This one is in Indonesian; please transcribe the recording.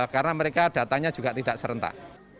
karena mereka datanya juga tidak serentak